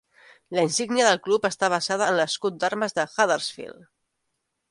La insígnia del club està basada en l'escut d'armes de Huddersfield.